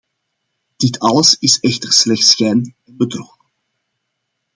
Dit alles is echter slechts schijn en bedrog.